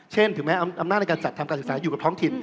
ถึงแม้อำนาจในการจัดทำการศึกษาอยู่กับท้องถิ่น